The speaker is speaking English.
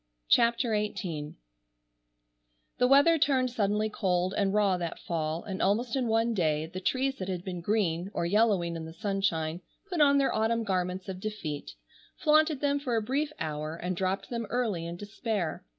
CHAPTER XVIII The weather turned suddenly cold and raw that Fall, and almost in one day, the trees that had been green, or yellowing in the sunshine, put on their autumn garments of defeat, flaunted them for a brief hour, and dropped them early in despair.